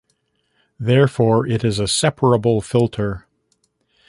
Therefore, it is a separable filter.